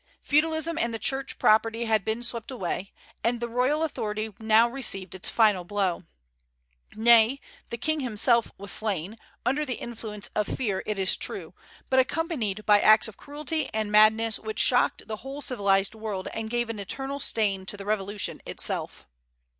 Feudalism and the Church property had been swept away, and the royal authority now received its final blow; nay, the King himself was slain, under the influence of fear, it is true, but accompanied by acts of cruelty and madness which shocked the whole civilized world and gave an eternal stain to the Revolution itself.